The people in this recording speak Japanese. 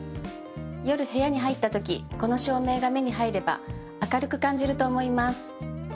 夜部屋に入ったときこの照明が目に入れば明るく感じると思います。